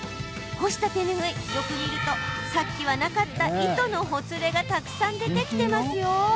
干した手ぬぐい、よく見るとさっきはなかった糸のほつれがたくさん出てきてますよ。